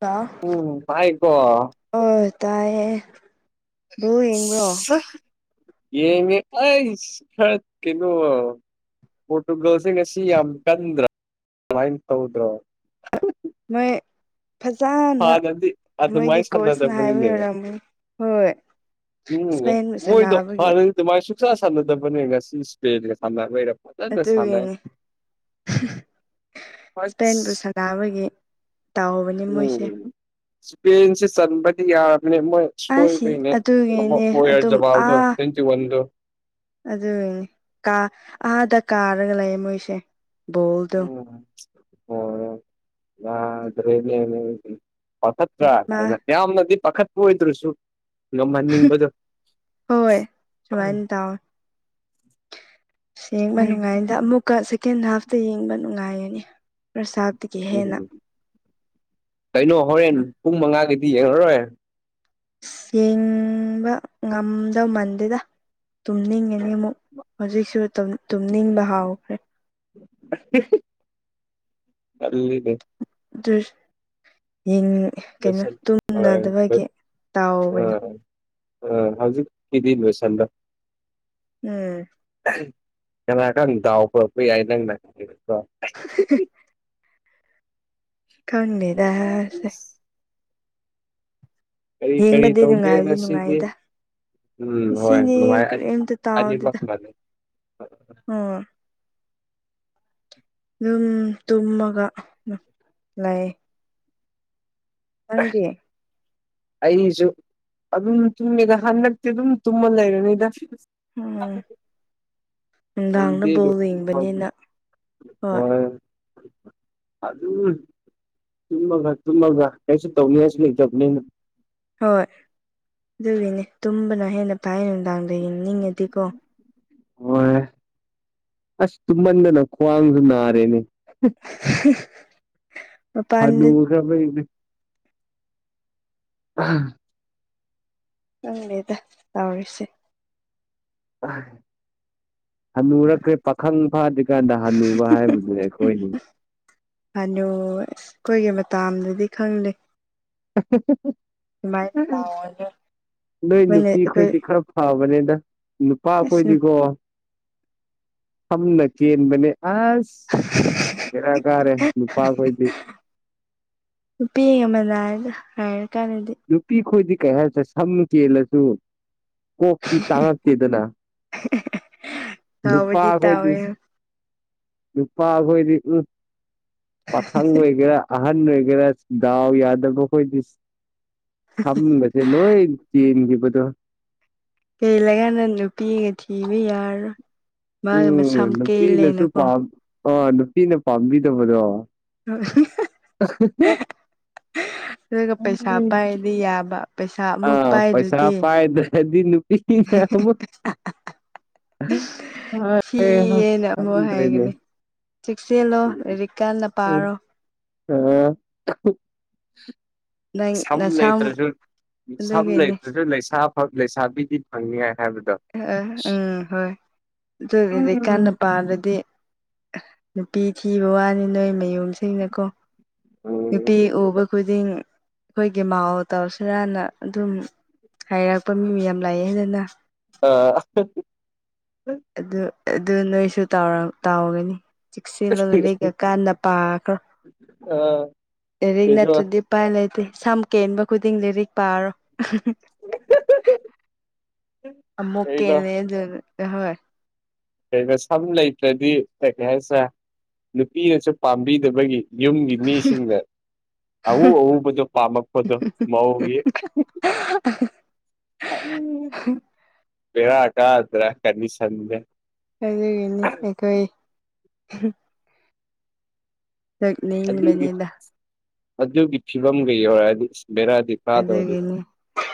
Hello ꯎꯝ ꯋꯥꯏꯀꯣ ꯑꯣ ꯇꯥꯏ ꯌꯦ [unintelligible] ꯑꯥ ꯌꯦꯡꯉꯦ ꯑꯩꯁ ꯈꯔꯛ ꯀꯩꯅꯣ ꯄꯣꯔꯇꯨꯒꯜꯁꯤ ꯉꯁꯤ ꯌꯥꯝ ꯀꯟꯗ꯭ꯔꯥ ꯗꯃꯥꯏ ꯇꯧꯗ꯭ꯔꯣ ꯃꯣꯏ ꯐꯖꯅ ꯍꯥꯟꯅꯗꯤ ꯃꯣꯏꯒꯤ ꯑꯗꯨꯃꯥꯏꯅ ꯀꯣꯆꯅ ꯍꯥꯏꯕꯤ ꯁꯥꯟꯅꯗꯕꯅꯤꯅꯦ ꯑꯣꯔꯝꯒꯅꯤ ꯍꯣꯏ ꯎꯝ ꯏꯁꯄꯦꯟꯒ ꯃꯣꯏꯗꯣ ꯁꯥꯟꯅꯥꯕꯒꯤ ꯍꯥꯟꯅꯗꯤ ꯑꯗꯨꯃꯥꯏꯅ ꯁꯨꯡꯁꯥ ꯁꯥꯟꯅꯗꯕꯅꯦ ꯉꯁꯤ ꯁꯄꯦꯟꯒ ꯁꯥꯟꯅꯕꯩꯔꯥ ꯑꯗꯨꯒꯤꯅꯦ [unintelligible] ꯏꯁꯄꯦꯟꯕꯨ ꯑꯁ ꯁꯥꯅ ꯅꯥꯕꯒꯤ ꯇꯥꯎꯕꯅꯤ ꯃꯣꯏꯁꯦ ꯁ꯭ꯄꯦꯟꯁꯦ ꯆꯟꯕꯗꯤ ꯌꯥꯔꯕꯅꯦ ꯃꯣꯏ ꯑꯁ ꯁꯣꯏꯕꯩꯅꯦ ꯑꯃ ꯑꯗꯨꯒꯤꯅꯦ ꯑꯗꯨꯝ ꯑꯣꯌꯔꯖꯕꯥꯜꯗꯣ ꯇ꯭ꯋꯦꯟꯇꯤ ꯋꯥꯟꯗꯣ ꯑꯗꯨꯒꯤꯅꯦ ꯀꯥ ꯑꯗ ꯀꯥꯔꯒ ꯂꯩꯌꯦ ꯃꯣꯏꯁꯦ ꯕꯣꯜꯗꯣ ꯎꯝ [unintelligible] ꯌꯥꯗ꯭ꯔꯦꯅꯦ ꯅꯪꯗꯤ ꯄꯥꯈꯠꯇ꯭ꯔꯥ ꯃꯥ ꯌꯥꯝꯅꯗꯤ ꯄꯥꯈꯠꯄ ꯑꯣꯏꯗ꯭ꯔꯁꯨ ꯉꯝꯍꯟꯅꯤꯡꯕꯗꯨ ꯍꯣꯏ ꯁꯨꯃꯥꯏꯅ ꯇꯧꯋꯦ ꯌꯦꯡꯕ ꯎꯝ ꯅꯨꯡꯉꯥꯏꯗ ꯑꯃꯨꯛꯀ ꯁꯦꯀꯦꯟ ꯍꯥꯐꯇꯨ ꯌꯦꯡꯕ ꯅꯨꯡꯉꯥꯏꯔꯅꯤ ꯐ꯭ꯔꯁꯠ ꯍꯥꯐꯇꯒꯤ ꯍꯦꯟꯅ ꯀꯩꯅꯣ ꯍꯣꯔꯦꯟ ꯄꯨꯡ ꯃꯉꯥꯒꯤꯗꯤ ꯌꯦꯡꯉꯔꯣꯏ ꯌꯦꯡꯕ ꯉꯝꯗꯧ ꯃꯥꯟꯗꯦꯗ ꯇꯨꯝꯅꯤꯡꯉꯅꯤ ꯑꯃꯨꯛ ꯍꯧꯖꯤꯛꯁꯨ ꯇꯨꯝꯅꯤꯡꯕ ꯍꯥꯎꯈ꯭ꯔꯦ [unintelligible] ꯑꯗꯨꯅꯤꯅꯦ ꯑꯗꯨ ꯌꯦꯡ ꯀꯩꯅꯣ ꯂꯣꯏꯁꯟ ꯍꯣꯏ ꯇꯨꯝꯅꯗꯕꯒꯤ ꯇꯥꯎꯕꯅꯤ ꯑ ꯍꯧꯖꯤꯛꯀꯤꯗꯤ ꯂꯣꯏꯁꯟꯂꯣ ꯎꯝ ꯀꯅꯥ ꯈꯪꯅꯤ ꯗꯥꯎ ꯄꯨꯔꯛꯄ ꯌꯥꯏ ꯅꯪꯅ [unintelligible] ꯈꯪꯗꯦꯗ ꯁꯦ ꯀꯔꯤ ꯀꯔꯤ ꯌꯦꯡꯕꯗꯤ ꯇꯧꯒꯦ ꯅꯨꯡꯉꯥꯏꯕꯗꯤ ꯉꯁꯤꯗꯤ ꯅꯨꯡꯉꯥꯏꯗ ꯎꯝ ꯍꯣꯏ ꯉꯁꯤꯗꯤ ꯅꯨꯡꯉꯥꯏ ꯀꯔꯤꯝꯇ ꯑꯅꯤꯃꯛ ꯇꯥꯎꯗꯦꯗ ꯃꯥꯟꯅꯩ ꯎꯝ ꯑꯗꯨꯝ ꯇꯨꯝꯃꯒ ꯂꯩ ꯅꯪꯗꯤ ꯑꯩꯁꯨ ꯑꯗꯨꯝ ꯇꯨꯝꯃꯤꯗ ꯍꯟꯗꯛꯇꯤ ꯑꯗꯨꯝ ꯇꯨꯝꯃ ꯂꯩꯔꯅꯤꯗ ꯎꯝ [unintelligible] ꯍꯣꯏ ꯅꯨꯡꯗꯥꯡꯗ ꯕꯣꯜ ꯌꯦꯡꯕꯅꯤꯅ ꯍꯣꯏ ꯑꯗꯨꯝ ꯇꯨꯝꯃꯒ ꯇꯨꯝꯃꯒ ꯀꯩꯁꯨ ꯇꯧꯅꯤꯡꯉꯥꯏꯁꯨ ꯂꯩꯇꯕꯅꯤꯅ ꯍꯣꯏ ꯑꯗꯨꯒꯤꯅꯦ ꯇꯨꯝꯕꯅ ꯍꯦꯟꯅ ꯐꯥꯏ ꯅꯨꯡꯗꯥꯡꯗ ꯌꯦꯡꯅꯤꯡꯉꯗꯤꯀꯣ ꯍꯣꯏ ꯑꯁ ꯇꯨꯝꯃꯟꯗꯅ ꯈ꯭ꯋꯥꯡꯁꯨ ꯅꯥꯔꯦꯅꯦ [unintelligible] ꯍꯅꯨ ꯃꯄꯥꯟꯗ ꯈꯔꯕꯅꯩꯅꯦ [unintelligible] ꯈꯪꯗꯦꯗ ꯇꯧꯔꯤꯁꯦ [unintelligible] ꯍꯟꯅꯨꯔꯛꯈ꯭ꯔꯦ ꯄꯥꯈꯪ ꯐꯥꯗ꯭ꯔꯤꯀꯥꯟꯗ ꯍꯟꯅꯨꯕ ꯍꯥꯏꯕꯁꯦ ꯑꯩꯈꯣꯏꯅꯤ ꯍꯅꯨ ꯑꯁ ꯑꯩꯈꯣꯏꯒꯤ ꯃꯇꯥꯝꯗꯗꯤ ꯈꯪꯗꯦ [unintelligible] ꯁꯨꯃꯥꯏꯅ ꯇꯥꯎꯑꯣꯅ ꯅꯣꯏ ꯑꯩꯈꯣꯏꯅ ꯅꯨꯄꯤꯈꯣꯏꯗꯤ ꯑꯩꯈꯣꯏ ꯈꯔ ꯐꯕꯅꯦꯗ ꯅꯨꯄꯥ ꯑꯁ ꯑꯩꯈꯣꯏꯗꯤꯀꯣ ꯁꯝꯅ ꯀꯦꯟꯕꯅꯦ ꯑꯁ ꯕꯦꯔꯥ ꯀꯥꯔꯦ ꯅꯨꯄꯥꯈꯣꯏꯗꯤ ꯅꯨꯄꯤꯒ ꯃꯥꯟꯅꯩꯗ ꯍꯥꯏꯔ ꯀꯥꯟꯗꯗꯤ ꯅꯨꯄꯤ ꯈꯣꯏꯗꯤ ꯀꯩ ꯍꯥꯏꯁꯦꯔ ꯁꯝ ꯀꯦꯜꯂꯁꯨ ꯀꯣꯛꯇꯤ ꯇꯥꯡꯉꯛꯇꯦꯗꯅ ꯅꯨꯄꯥ ꯇꯥꯎꯕꯗꯤ ꯑꯩꯈꯣꯏꯗꯤ ꯇꯥꯎꯋꯦ ꯅꯨꯨꯄꯥ ꯑꯩꯈꯣꯏꯗꯤ ꯎꯝ ꯄꯥꯈꯪ ꯑꯣꯏꯒꯦꯔꯥ ꯑꯍꯟ ꯑꯣꯏꯒꯦꯔꯥ ꯗꯥꯎ ꯌꯥꯗꯕ ꯈꯣꯏꯗꯤ ꯁꯝꯒꯁꯦ ꯂꯣꯏ ꯀꯦꯟꯒꯤꯕꯗꯣ ꯀꯦꯜꯂ ꯀꯥꯟꯗ ꯅꯨꯄꯤꯒ ꯊꯤꯕ ꯌꯥꯔꯔꯣꯏ ꯃꯥꯒ ꯎꯝ ꯃꯁꯝ ꯅꯨꯄꯤꯅꯁꯨ ꯀꯦꯜꯂꯦꯅꯀꯣ ꯄꯥꯝ ꯑꯥ ꯅꯨꯄꯤꯅ ꯄꯥꯝꯕꯤꯗꯕꯗꯣ [unintelligible] [unintelligible] ꯑꯗꯨꯒ ꯄꯩꯁꯥ ꯄꯥꯏꯔꯗꯤ [unintelligible] ꯌꯥꯕ ꯄꯩꯁꯥ ꯑꯃꯨꯛ ꯑꯥ ꯄꯩꯁꯥ ꯄꯥꯏꯗ꯭ꯔꯗꯤ ꯄꯥꯏꯗꯦ [unintelligible] ꯅꯨꯄꯤꯅꯤꯅ ꯑꯃꯨꯛ ꯊꯤꯌꯦꯅ ꯑꯃꯨꯛ ꯈꯪꯗ꯭ꯔꯦꯅꯦ ꯍꯥꯏꯒꯅꯤ ꯆꯦꯛꯁꯟꯂꯣ ꯂꯥꯏꯔꯤꯛ ꯀꯟꯅ ꯄꯥꯥꯔꯣ [unintelligible] ꯅꯪ ꯁꯝ ꯅꯁꯝ ꯂꯩꯇ꯭ꯔꯁꯨ ꯁꯝ ꯂꯩꯇ꯭ꯔꯁꯨ ꯂꯩꯁꯥꯐ ꯂꯩꯁꯥꯕꯤꯗꯤ ꯐꯪꯅꯤꯏ ꯍꯥꯏꯕꯗꯣ ꯑ ꯎꯝ ꯍꯣꯏ ꯑꯗꯨꯗꯗꯤ ꯎꯝ ꯀꯥꯟꯅ ꯄꯥꯗ꯭ꯔꯗꯤ ꯅꯨꯄꯤ ꯊꯤꯕ ꯋꯥꯅꯤ ꯅꯣꯏ ꯃꯌꯨꯝꯁꯤꯡꯅꯀꯣ ꯎꯝ ꯅꯨꯄꯤ ꯎꯕ ꯈꯨꯗꯤꯡ ꯑꯩꯈꯣꯏꯒꯤ ꯃꯥꯎ ꯇꯧꯁꯤꯔꯅ ꯑꯗꯨꯝ ꯍꯥꯏꯔꯛꯄ ꯃꯤ ꯃꯌꯥꯝ ꯂꯩꯌꯦꯅ ꯅ [unintelligible] ꯑꯗꯨ ꯑꯗꯨ ꯅꯣꯏꯁꯨ ꯇꯥꯎꯔꯝ ꯇꯥꯎꯔꯤꯅꯤ ꯆꯦꯛꯁꯤꯜꯂ ꯂꯥꯏꯔꯤꯛꯀꯥ ꯀꯟꯅ ꯄꯥꯈ꯭ꯔꯣ ꯑꯥ ꯂꯥꯏꯔꯤꯛ ꯀꯩꯅꯣ ꯅꯠꯇ꯭ꯔꯗꯤ ꯎꯄꯥꯏ ꯂꯩꯇꯦ ꯁꯝ ꯀꯦꯟꯕ ꯈꯨꯗꯤꯡ ꯂꯥꯏꯔꯤꯛ ꯄꯥꯔꯣ ꯑꯃꯨꯛ ꯀꯩꯅꯣ ꯀꯦꯟꯂꯦ [unintelligible] ꯍꯣꯏ ꯀꯩꯅꯣ ꯁꯝ ꯂꯩꯇ꯭ꯔꯗꯤ ꯀꯩ ꯍꯥꯏꯁꯤꯔ ꯅꯨꯄꯤꯅꯁꯨ ꯄꯥꯝꯕꯤꯗꯕꯒꯤ ꯌꯨꯝꯒꯤ ꯃꯤꯁꯤꯡꯅ ꯑꯎ ꯑꯎꯕꯗꯣ ꯄꯥꯝꯃꯛꯄꯗꯣ ꯃꯧꯒꯤ ꯕꯦꯔ ꯀꯥꯗ꯭ꯔ ꯀꯟꯗꯤꯁꯟꯁꯦ [unintelligible] ꯑꯗꯨꯒꯤ [unintelligible] ꯑꯗꯨꯒꯤ ꯐꯤꯕꯝꯒ ꯌꯧꯔꯛꯑꯗꯤ ꯕꯦꯔꯥꯗꯤ ꯀꯥꯗꯧꯔꯤ ꯑꯗꯨꯒꯤꯅꯤ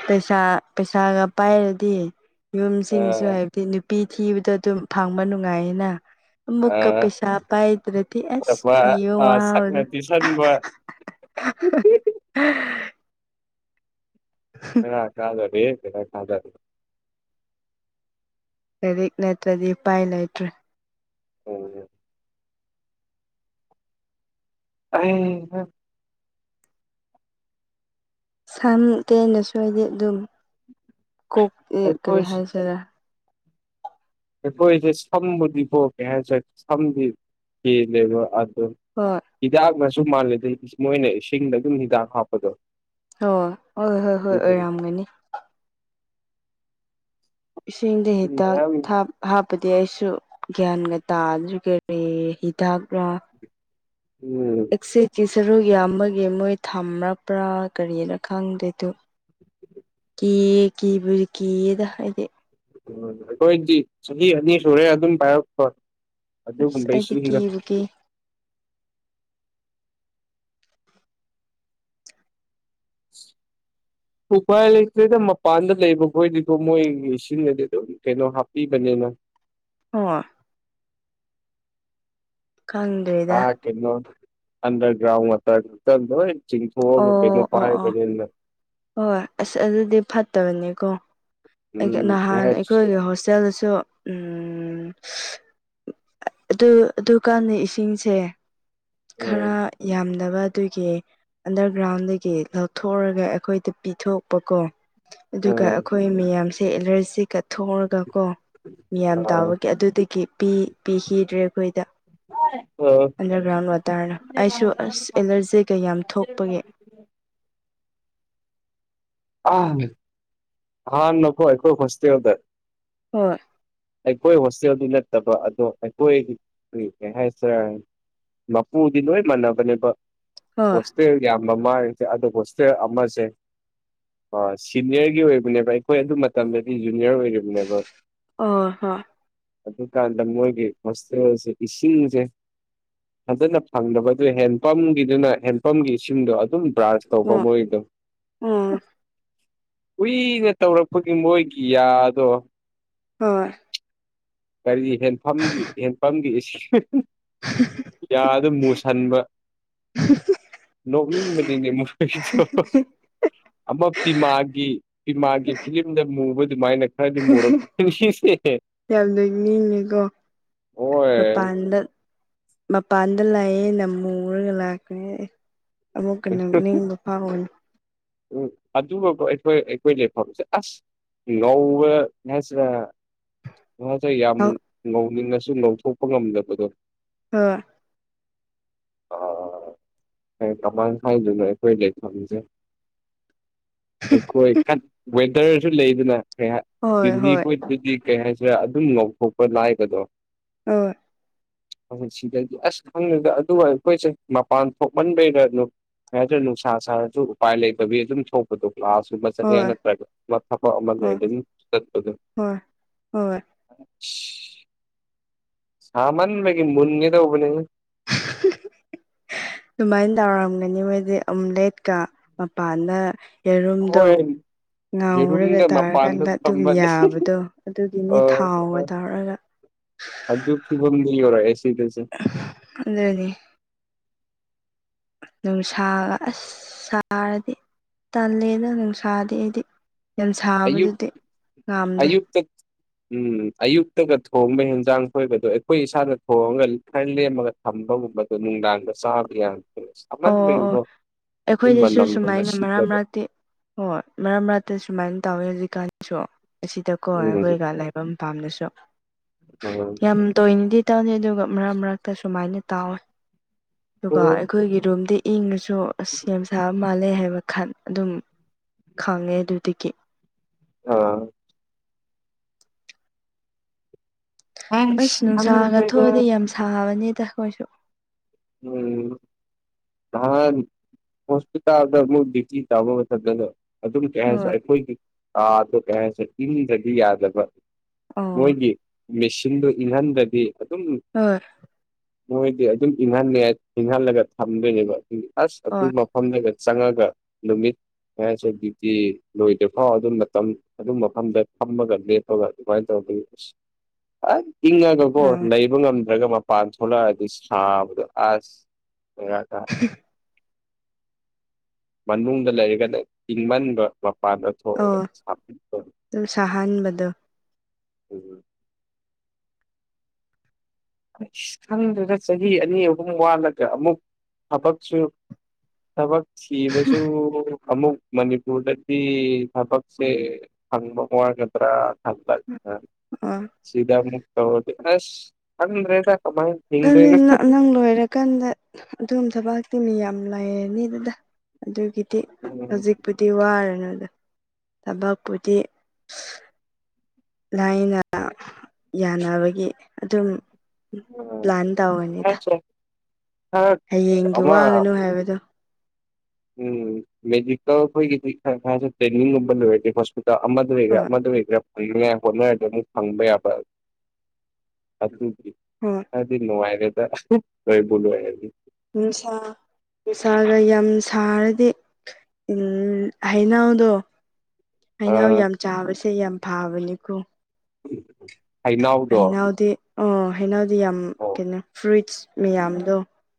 ꯄꯩꯁꯥ ꯄꯩꯁꯥꯒ ꯄꯥꯏꯔꯗꯤ ꯑ ꯌꯨꯝꯁꯤꯡꯁꯨ ꯍꯥꯏ ꯑꯗꯩ ꯅꯨꯄꯤ ꯊꯤꯕꯗꯣ ꯑꯗꯨꯝ ꯐꯪꯕ ꯅꯨꯡꯉꯥꯏꯌꯦꯅ ꯑ ꯑꯃꯨꯛꯀ ꯄꯩꯁꯥ ꯄꯥꯏꯗ꯭ꯔꯗꯤ ꯑꯁ ꯑꯐꯕ ꯊꯤꯕ ꯑ ꯋꯥꯕꯗꯣ [unintelligible] [unintelligible] ꯂꯥꯏꯔꯤꯛ ꯅꯠꯇ꯭ꯔꯗꯤ ꯎꯄꯥꯏ ꯂꯩꯇ꯭ꯔꯦ [unintelligible] ꯑꯩꯍꯥ ꯁꯝ ꯇꯦꯟꯂꯁꯨ ꯍꯥꯏꯗꯤ ꯑꯗꯨꯝ ꯀꯣꯛ ꯑꯦ ꯀꯔꯤ ꯑꯩꯈꯣꯏꯁꯤ ꯍꯥꯏꯁꯤꯔ ꯑꯩꯈꯣꯏꯁꯦ ꯁꯝꯕꯨꯗꯤꯀꯣ ꯀꯩꯍꯥꯏꯁꯤꯔ ꯁꯝꯕꯨꯗꯤ ꯀꯦꯜꯂꯦꯕ ꯑꯗꯣ ꯍꯣꯏ ꯍꯤꯗꯥꯛꯅꯁꯨ ꯃꯥꯜꯂꯦꯗ ꯃꯣꯏꯅ ꯏꯁꯤꯡꯗ ꯑꯗꯨꯝ ꯍꯤꯗꯥꯛ ꯍꯥꯞꯄꯗꯣ ꯑꯣ ꯍꯣꯏ ꯍꯣꯏ ꯍꯣꯏ ꯑꯗꯨꯗꯨꯅꯤ ꯑꯣꯏꯔꯝꯒꯅꯤ ꯏꯁꯤꯡꯗ ꯏꯁꯤꯡ ꯍꯤꯗꯥꯛ ꯃꯌꯥꯝ ꯊꯥꯞ ꯍꯥꯞꯄꯗꯤ ꯑꯩꯁꯨ ꯒ꯭ꯌꯥꯟꯒ ꯇꯥꯗ꯭ꯔꯤ ꯀꯔꯤ ꯍꯤꯗꯥꯛꯔꯥ ꯎꯝ ꯑꯦꯛꯁꯦꯇꯤ ꯁꯔꯨꯛ ꯌꯥꯝ ꯕꯒꯤ ꯃꯣꯏ ꯊꯝꯔꯛꯕ꯭ꯔꯥ ꯀꯔꯤꯔ ꯈꯪꯗꯦ ꯑꯗꯣ [inaudible] ꯀꯤ ꯀꯤꯕꯨ ꯀꯤꯌꯦꯗ ꯑꯩꯗꯤ ꯎ ꯑꯩꯈꯣꯏꯗꯤ ꯆꯍꯤ ꯑꯅꯤ ꯁꯨꯔꯦ ꯑꯗꯨꯝ ꯄꯥꯏꯔꯛꯄ ꯑꯁ ꯑꯗꯨꯒꯨꯝꯕ ꯑꯩꯗꯤ ꯏꯁꯤꯡꯗꯥ ꯀꯤꯕꯨ ꯀꯤ [inaudible] ꯎꯄꯥꯏ ꯂꯩꯇꯦꯗ ꯃꯄꯥꯟꯗ ꯂꯩꯕ ꯈꯣꯏꯗꯤꯀꯣ ꯃꯣꯏꯒꯤ ꯏꯁꯤꯡꯗꯗꯤ ꯑꯗꯨꯝ ꯀꯩꯅꯣ ꯍꯥꯞꯄꯤꯕꯅꯤꯅ ꯍꯣꯏ ꯈꯪ ꯑ ꯀꯩꯅꯣ ꯑꯟꯗꯔꯒ꯭ꯔꯥꯎꯟ [unintelligible] ꯆꯤꯡꯊꯣꯛꯑꯒ ꯀꯩꯅꯣ ꯑꯣ ꯑꯣ ꯑꯣ ꯄꯥꯏꯕꯅꯤꯅ ꯍꯣꯏ ꯑꯁ ꯑꯗꯨꯗꯤ ꯐꯠꯇꯕꯅꯤꯀꯣ ꯎꯝ ꯀꯩ ꯅꯍꯥꯟ ꯍꯥꯏꯁꯤ ꯑꯩꯈꯣꯏꯒꯤ ꯍꯣꯁꯇꯦꯜꯗꯁꯨ ꯎꯝ ꯑ ꯑꯗꯨ ꯑꯗꯨꯀꯥꯟꯅꯩ ꯏꯁꯤꯡꯁꯦ ꯈꯔ ꯌꯥꯝ ꯗꯕ ꯑꯗꯨꯏꯒꯤ ꯑꯟꯗꯔꯒ꯭ꯔꯥꯎꯟꯗꯒꯤ ꯂꯧꯊꯣꯔꯑꯒ ꯑꯈꯣꯏꯗ ꯄꯤꯊꯣꯛꯄ ꯀꯣ꯫ ꯑꯗꯨꯒ ꯑꯩꯈꯣꯏ ꯃꯌꯥꯝꯁꯦ ꯑꯦꯂꯔꯖꯤ ꯀꯠꯊꯣꯛꯔꯒ ꯀꯣ ꯃꯤꯌꯥꯝ ꯇꯥꯕꯒꯤ ꯑꯗꯨꯗꯒꯤ ꯄꯤ ꯄꯤꯈꯤꯗ꯭ꯔꯦ ꯑꯈꯣꯏꯗ ꯑꯣ ꯑꯟꯗꯔꯒ꯭ꯔꯥꯎꯟ ꯋꯥꯇꯔꯅ ꯑꯩꯁꯨ ꯑꯁ ꯑꯦꯂꯔꯖꯤ ꯀꯩ ꯌꯥꯝ ꯊꯣꯛꯄꯒꯤ ꯑ ꯍꯥ ꯅꯀꯣ ꯑꯩꯈꯣꯏ ꯍꯁ ꯑꯣꯏꯗꯔ ꯍꯣꯏ ꯑꯩꯈꯣꯏ ꯍꯣꯁꯇꯦꯜꯗꯨ ꯅꯠꯇꯕ ꯑꯗꯣ ꯑꯩꯈꯣꯏ ꯀꯔꯤ ꯀꯩ ꯍꯥꯏꯁꯦꯔꯥ ꯃꯄꯨꯗꯤ ꯂꯣꯏ ꯃꯥꯟꯅꯕꯅꯦꯕ ꯄꯣꯁ- ꯍꯣꯏ ꯍꯣꯁꯇꯦꯜꯒꯤ ꯌꯥꯝꯃꯥꯃ ꯍꯥꯏꯔꯗꯤ ꯑꯗꯣ ꯍꯣꯁꯇꯦꯜ ꯑꯃꯁꯦ ꯁꯤꯅꯤꯌꯔꯒꯤ ꯑꯣꯏꯕ ꯗꯨꯅꯦꯕ ꯑꯩꯈꯣꯏ ꯑꯗꯨ ꯃꯇꯝꯗꯗꯤ ꯖꯨꯅꯤꯌꯔ ꯑꯣꯏꯔꯤꯕꯅꯦꯕ ꯑꯣ ꯍꯣꯏ ꯑꯗꯨꯀꯥꯟꯗ ꯃꯣꯏꯒꯤ ꯃꯣꯁꯇꯦꯜꯁꯦ ꯏꯁꯤꯡꯁꯦ ꯐꯟꯖꯅ ꯐꯪꯗꯕ ꯑꯗꯨ ꯍꯦꯟꯄꯝꯒꯤꯗꯨꯅ ꯍꯦꯟꯄꯝꯒꯤ ꯏꯁꯤꯡꯗꯣ ꯑꯗꯨꯝ ꯕ꯭ꯔꯥꯟꯥꯁ ꯇꯧꯕ ꯑꯣ ꯃꯣꯏꯗꯣ ꯑꯣ ꯀꯨꯏꯅ ꯇꯧꯔꯛꯄꯒꯤ ꯃꯣꯏꯒꯤ ꯌꯥꯗꯣ ꯍꯣꯏ ꯀꯔꯤ ꯍꯦꯟꯐꯝꯒꯤ ꯍꯦꯟꯐꯝꯒꯤ ꯏꯁꯤꯡ ꯌꯥꯗ ꯃꯨꯁꯟꯕ ꯅꯣꯛꯅꯤꯡ ꯃꯅꯤꯡꯦ ꯃꯩ ꯆ ꯑꯃ ꯄꯤꯃꯥꯒꯤ ꯄꯤꯃꯥꯒꯤ ꯐꯤꯂꯤꯝꯗ ꯃꯨꯕ ꯑꯗꯨꯃꯥꯏꯅ ꯍꯥꯏꯗꯤ ꯃꯣꯔꯕ ꯇꯤꯟ ꯁꯤ ꯁꯤ ꯌꯥꯝ ꯂ ꯅꯤꯡꯉꯀꯣ ꯍꯣꯏ ꯃꯄꯥꯟꯗ ꯃꯄꯥꯟ ꯗ ꯂꯥꯛꯑꯦ ꯅ ꯃꯨꯔꯒ ꯂꯥꯛꯄꯅꯤ ꯑꯦ ꯑꯃꯨꯛꯀ ꯅꯣꯛ ꯅꯤꯡꯕ ꯐꯥꯎꯕꯅꯤ꯫ ꯎꯝ ꯑꯗꯨꯒꯀꯣ ꯑꯩꯈꯣꯏ ꯑꯩꯈꯣꯏ ꯂꯩꯐꯝꯁꯦ ꯑꯁ ꯂꯣꯋ ꯅꯦꯆꯔ ꯉꯧꯗ ꯌꯥꯝ ꯉꯧꯅꯤꯡꯉꯁꯨ ꯉꯧꯊꯣꯛꯄ ꯉꯝꯗꯕꯗꯣ ꯑ ꯑ ꯀꯃꯥꯡ ꯈꯥꯏꯗꯨꯅ ꯑꯩꯈꯣꯏ ꯂꯩꯐꯝꯁꯦ ꯑꯩꯈꯣꯏꯋ ꯇꯔꯁꯨ ꯂꯩꯗꯅ ꯀ ꯍꯣꯏ ꯩꯇꯦꯜꯂꯤ ꯍꯣꯏ ꯍꯣꯏꯇꯗꯤ ꯀꯩ ꯍꯥꯏꯁꯤꯔꯥ ꯑꯗꯨꯝ ꯉꯥꯎꯊꯣꯛꯄ ꯂꯥꯏꯕꯗꯣ ꯑꯣꯏ ꯑ ꯁꯤꯗꯗꯤ ꯑꯁ ꯈꯪꯉꯦꯗ ꯑꯗꯨꯒ ꯑꯩꯈꯣꯏꯁꯦ ꯃꯄꯥꯟ ꯊꯣꯛꯃꯟꯕꯩꯗ ꯅꯨꯞ ꯀꯩꯍꯥꯏꯇꯔꯦ ꯅꯨꯡꯁꯥ ꯁꯥꯔꯖꯨ ꯎꯄꯥꯏ ꯂꯩꯇꯕꯤ ꯑꯗꯨꯝ ꯊꯣꯛ ꯀ꯭ꯂꯥꯁꯒꯨꯝꯕ ꯆꯠꯂꯦ ꯍꯣꯏ ꯅꯠꯇ꯭ꯔꯒ ꯊꯕꯛ ꯑꯃꯅꯦ ꯑꯗꯨꯝ ꯆꯠꯄꯗ ꯍꯔ ꯑꯗꯨ ꯁꯃꯥꯟ ꯃꯒꯤ ꯃꯅꯤꯦ ꯇꯧꯕꯅꯦ [unintelligible] ꯗꯨꯃꯥꯏ ꯇꯧꯔꯝꯒꯅꯤ ꯃꯣꯏꯗꯤ ꯑꯝꯂꯦꯠꯀ ꯃꯄꯥꯟꯗ ꯌꯦꯔꯨꯝꯗꯣ ꯍꯣꯏ ꯉꯥꯎꯔꯒ ꯌꯦꯔꯨꯝꯒ ꯃꯄꯥꯟꯗ ꯇꯥꯔꯀꯥꯟꯗ ꯑꯗꯨꯝ ꯊꯝꯃꯅꯤ ꯌꯥꯕꯗꯣ ꯑ ꯑꯗꯨꯒꯤꯅꯦ ꯊꯥꯎꯒ ꯇꯧꯔꯒ ꯑꯗꯨ ꯐꯤꯕꯝꯗꯤ ꯌꯧꯔꯛꯑꯦ ꯁꯤꯗꯁꯨ [unintelligible] ꯅꯨꯡꯁꯥꯒ ꯑꯁ ꯁꯥꯔꯗꯤ ꯇꯜꯂꯦꯗ ꯅꯨꯡꯁꯥꯗꯤ ꯑꯩꯗꯤ꯫ ꯑꯌꯨꯛ ꯌꯥꯝꯁꯥꯕꯗꯨꯗꯤ ꯉꯥꯝꯗꯦ ꯑꯌꯨꯛꯇ ꯎꯝ ꯑꯌꯨꯛꯇꯒ ꯊꯣꯡꯕ ꯍꯦꯟꯖꯥꯡ ꯊꯣꯏꯕꯗꯣ ꯑꯈꯣꯏ ꯏꯁꯥꯗ ꯊꯣꯡꯉꯒ ꯈꯔ ꯂꯦꯝꯃꯒ ꯊꯝꯕꯒꯨꯝꯕꯗ ꯅꯨꯡꯗꯥꯡꯗ ꯆꯥꯕ ꯌꯥꯝ ꯇꯜꯂꯤꯁꯦ ꯑꯣ ꯑꯣ ꯑꯩꯈꯣꯏꯅꯤꯁꯨ ꯃꯅꯝꯒꯨꯝꯕ ꯁꯨꯃꯥꯏꯅ ꯃꯔꯛ ꯁꯤꯠꯂꯒ ꯃꯔꯛꯇꯤ ꯍꯣꯏ ꯃꯔꯛ ꯃꯔꯛꯇ ꯁꯨꯃꯥꯏꯅ ꯇꯧꯋꯤ ꯍꯧꯖꯤꯛꯀꯥꯟꯁꯨ ꯑꯁꯤꯗꯀꯣ ꯎꯝ ꯑꯈꯣꯏꯒ ꯂꯩꯕꯝ ꯄꯥꯝꯂꯁꯨ ꯑ ꯌꯥꯝ ꯇꯣꯏꯅꯗꯤ ꯇꯅꯤ ꯑꯗꯨꯒ ꯃꯔꯛ ꯃꯔꯛꯇ ꯁꯨꯃꯥꯏꯅ ꯇꯥꯎꯋꯦ ꯑꯗꯨꯒ ꯑꯩꯈꯣꯏꯒꯤ ꯔꯨꯝꯗꯤ ꯏꯪꯉꯁꯨ ꯁꯣ ꯁꯦꯝ ꯁꯥꯕ ꯃꯥꯜꯂꯦ ꯍꯥꯏꯕ ꯈꯟ ꯑꯗꯨꯝ ꯈꯪꯉꯦ ꯑꯗꯨꯗꯒꯤ ꯑꯥ ꯑꯁ ꯅꯨꯡꯁꯥꯒ ꯈꯪꯗ꯭ꯔꯦꯗ ꯊꯣꯛꯑꯗꯤ ꯌꯥꯝ ꯁꯥꯕꯅꯤꯗ ꯑꯈꯣꯏꯁꯨ ꯎꯝ ꯅꯍꯥꯟ ꯍꯣꯁꯄꯤꯇꯥꯜꯗ ꯅꯪ ꯗ꯭ꯌꯨꯇꯤ ꯇꯧꯕ ꯃꯇꯝꯗꯅ ꯑꯗꯨꯝ ꯀꯩ ꯍꯥꯏꯁꯤꯔ ꯍꯣꯏ ꯑꯩꯈꯣꯏꯒꯤ ꯀꯥꯗꯣ ꯀꯩ ꯍꯥꯏꯁꯤꯔ ꯏꯪꯗ꯭ꯔꯗꯤ ꯌꯥꯗꯕ꯫ ꯑꯣ ꯃꯣꯏꯒꯤ ꯃꯦꯁꯤꯟꯗꯨ ꯏꯪꯍꯟꯗ꯭ꯔꯗꯤ ꯑꯗꯨꯝ ꯍꯣꯏ ꯃꯣꯏꯗꯤ ꯑꯗꯨꯝ ꯏꯪꯍꯟꯂꯦ ꯏꯪꯍꯜꯂꯒ ꯊꯝꯗꯣꯏꯅꯦꯕ ꯑꯁ ꯑꯗꯨ ꯍꯣꯏ ꯐꯝꯗꯒ ꯆꯪꯉꯒ ꯅꯨꯃꯤꯠ ꯀꯩ ꯍꯥꯏꯁꯤꯔ ꯗ꯭ꯌꯨꯇꯤ ꯂꯣꯏꯗ꯭ꯔꯤꯐꯥꯎ ꯑꯗꯨꯝ ꯃꯇꯝ ꯑꯗꯨ ꯃꯐꯝꯗ ꯐꯝꯃꯒ ꯂꯦꯞꯄꯒ ꯑꯗꯨꯃꯥꯏꯅ ꯇꯧꯔꯗꯤ ꯏꯁ ꯑꯥꯏ ꯏꯪꯉꯒꯀꯣ ꯎꯝ ꯂꯩꯕ ꯉꯝꯗ꯭ꯔꯒ ꯃꯄꯥꯟ ꯊꯣꯛꯂꯛꯑꯗꯤ ꯁꯥꯕꯗꯣ ꯑꯁ [inaudible] [unintelligible] ꯃꯅꯨꯡꯗ ꯂꯩꯔꯒꯅ ꯏꯪꯃꯟꯕ ꯃꯄꯥꯟꯗ ꯊꯣꯛꯑꯒ ꯁꯥꯄꯤꯄ ꯥꯑꯗꯨꯝ ꯁꯥꯍꯟꯕꯗꯣ ꯎꯝ ꯏꯁ ꯈꯪꯗ꯭ꯔꯦꯗꯥ ꯆꯍꯤ ꯑꯅꯤ ꯑꯍꯨꯝ ꯋꯥꯠꯂꯒ ꯑꯃꯨꯛ ꯊꯕꯛꯁꯨ ꯊꯕꯛ ꯊꯤꯕꯁꯨ ꯑꯃꯨꯛ ꯃꯅꯤꯄꯨꯔꯗꯗꯤ ꯊꯕꯛꯁꯦ ꯐꯪꯕ ꯋꯥꯒꯗ꯭ꯔꯥ ꯊꯕꯛꯀ ꯑꯣ ꯁꯤꯗꯃꯨꯛ ꯇꯧꯔꯗꯤ ꯑꯁ ꯈꯪꯗ꯭ꯔꯦꯗꯥ ꯀꯃꯥꯏ ꯑꯗꯨꯅꯦ ꯍꯤꯡꯗꯣꯏꯅꯣ ꯅꯪ ꯂꯣꯏꯔꯀꯥꯟꯗ ꯑꯗꯨꯝ ꯊꯕꯥꯛꯇꯤ ꯃꯤ ꯃꯌꯥꯝ ꯂꯩꯔꯅꯤꯗ ꯑꯗꯨꯒꯤꯗꯤ ꯎꯝ ꯍꯧꯖꯤꯛꯄꯨꯗꯤ ꯋꯥꯔꯅꯨꯗ ꯊꯕꯛꯄꯨꯗꯤ ꯂꯥꯏꯅ ꯌꯥꯅꯕꯒꯤ ꯑꯗꯨꯝ ꯄ꯭ꯂꯥꯟ ꯑ ꯇꯧꯒꯅꯤꯗ ꯈꯔ ꯍꯌꯦꯡꯒꯤ ꯑꯃ ꯋꯥꯒꯅꯨ ꯍꯥꯏꯕꯗꯣ ꯎꯝ ꯃꯦꯗꯤꯀꯦꯜ ꯈꯣꯢꯒꯤꯗꯤ [unintelligible] ꯅꯝꯕꯝꯕꯔ ꯂ ꯐ ꯗ ꯑꯃꯗ ꯑꯣꯏꯒꯦꯔꯥ ꯍꯣꯏ ꯑꯃꯗ ꯑꯣꯏꯒꯦꯔꯥ ꯐꯪꯅꯤꯡꯉꯥꯏ ꯍꯣꯠꯅꯔꯗ ꯑꯃꯨꯛ ꯐꯪꯕ ꯌꯥꯕ ꯑꯗꯨ ꯍꯣꯏ ꯑꯗꯨꯗꯤ ꯅꯨꯡꯉꯥꯏꯔꯦꯗ [unintelligible] ꯂꯣꯏꯕꯨ ꯂꯣꯏꯔꯗꯤ ꯅꯨꯡꯁꯥ ꯅꯨꯡꯁꯥꯒ ꯌꯥꯝ ꯁꯥꯔꯗꯤ ꯎꯝ ꯍꯩꯅꯧꯗꯨ ꯍꯩꯅꯧ ꯑꯥ ꯌꯥꯝ ꯆꯥꯕꯁꯦ ꯌꯥꯝ ꯐꯥꯕꯅꯤꯀꯣ [inaudible] ꯍꯩꯅꯧꯗꯣ ꯍꯩꯅꯧꯗꯤ ꯑꯣ ꯍꯩꯅꯧꯗꯤ ꯌꯥꯝ ꯑꯣ ꯀꯩꯅꯣ ꯐ꯭ꯔꯨꯏꯠꯁ ꯃꯌꯥꯝꯗꯣ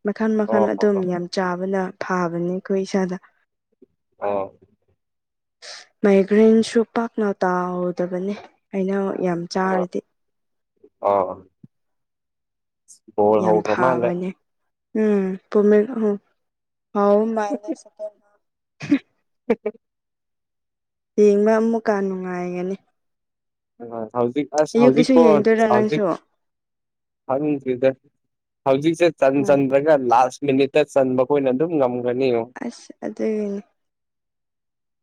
ꯃꯈꯜ ꯃꯈꯜ ꯑꯣ ꯑꯣ ꯑꯗꯨꯝ ꯑꯣ ꯌꯥꯝ ꯆꯥꯕꯅ ꯐꯕꯅꯤꯀꯣ ꯏꯁꯥꯗ ꯑꯥ ꯃꯥꯏꯒ꯭ꯔꯦꯟꯁꯨ ꯄꯥꯛꯅ ꯇꯥꯎꯗꯕꯅꯦ ꯍꯩꯅꯧ ꯌꯥꯝ ꯆꯥꯔꯗꯤ ꯑ ꯌꯥꯝ ꯍꯧꯈ꯭ꯔ ꯃꯥꯜꯂꯦ ꯐꯥꯕꯅꯦ ꯎꯝ ꯄꯨꯃꯤ ꯑ ꯑꯥꯎ ꯃꯥꯥꯏꯅ [inaudible] [unintelligible] ꯌꯦꯡꯕ ꯑꯃꯨꯛꯀ ꯅꯨꯡꯉꯥꯏꯒꯅꯤ ꯍꯧꯖꯤꯛ ꯑꯁ ꯑꯌꯨꯛꯀꯤꯁꯨ ꯍꯧꯖꯤꯛꯀꯣ ꯌꯦꯡꯗꯣꯏꯔꯥ ꯅꯪꯁꯨ ꯍꯧꯖꯤꯛ ꯈꯪꯗꯔꯤꯗ ꯍꯧꯖꯤꯛꯁꯦ ꯎꯝ ꯆꯟ꯭ꯈꯔꯒ ꯂꯥꯁ ꯃꯤꯅꯤꯠꯇ ꯆꯟꯕꯈꯣꯏꯅ ꯑꯗꯨꯝ ꯉꯝꯒ꯭ꯔꯅꯤ ꯌꯦꯡꯉꯣ ꯑꯁ ꯑꯗꯨꯒꯤꯅꯤ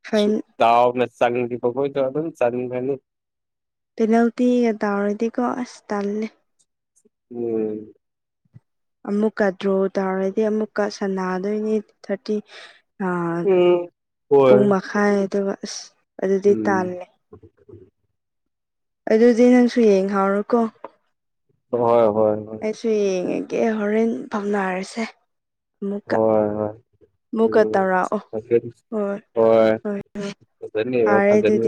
[unintelligible] ꯗꯥꯎꯅ ꯆꯟꯈꯤꯕ ꯈꯣꯏꯗꯣ ꯑꯗꯨꯝ ꯆꯟꯈ꯭ꯔꯅꯤ ꯄꯦꯅꯥꯜꯇꯤꯒ ꯇꯥꯔꯗꯤꯀꯣ ꯑꯁ ꯇꯜꯂꯦ ꯎꯝ ꯑꯃꯨꯛꯀ ꯗ꯭ꯔꯣ ꯇꯥꯔꯗꯤ ꯑꯃꯨꯛꯀ ꯁꯥꯟꯅꯗꯣꯏꯅꯤ ꯊꯥꯔꯇꯤ ꯑꯥ ꯎꯝ ꯍꯣꯏ ꯄꯨꯡ ꯃꯈꯥꯏ ꯑꯗꯨꯒ ꯑꯁ ꯑꯗꯨꯗꯤ ꯎꯝ ꯇꯥꯜꯂꯦ ꯑꯗꯨꯗꯤ ꯅꯪꯁꯨ ꯌꯦꯡ ꯍꯥꯎꯔꯨꯀꯣ ꯍꯣꯏ ꯍꯣꯏ ꯍꯣꯏ ꯑꯩꯁꯨ ꯌꯦꯡꯉꯒꯦ ꯍꯣꯔꯦꯟ ꯄꯥꯎꯅꯔꯁꯦ ꯑꯃꯨꯛꯀ ꯍꯣꯏ ꯍꯣꯏ ꯃꯨꯛꯀ ꯎꯝ ꯇꯧꯔꯛꯑꯣ ꯐꯖꯅꯤ ꯍꯣꯏ ꯍꯣꯏ ꯍꯣꯏ ꯐꯖꯅꯤ ꯌꯦꯡꯉꯣ ꯐꯔꯦ ꯑꯗꯨꯗꯤ ꯐꯖꯅꯤ